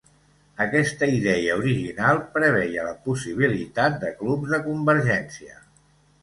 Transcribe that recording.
Aquesta idea original preveia la possibilitat de clubs de convergència.